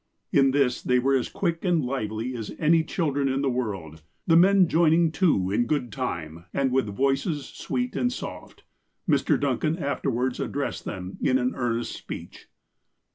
In this they were as quick and lively as any children in the world, the men joining too, in good time, and with voices sweet and soft. Mr. Duncan afterwards addressed them in an earnest speech."